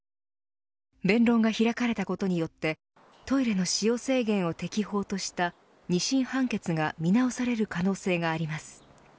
弁論が開かれたことによってトイレの使用制限を適法とした二審判決が見直される可能性があります。